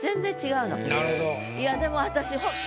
いやでも私今日。